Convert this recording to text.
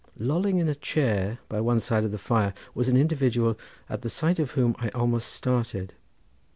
Lolling in a chair by one side of the fire was an individual at the sight of whom I almost started.